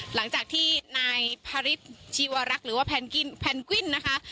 หลังจากที่นายพระฤทธิวรักษ์หรือว่าแพนกวิ้นนะคะ